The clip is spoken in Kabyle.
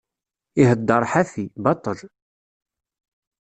Iheddeṛ ḥafi, baṭel.